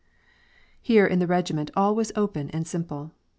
Here in the regiment all was open and simple.